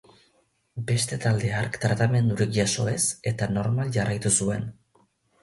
Beste talde hark tratamendurik jaso ez, eta normal jarraitu zuen.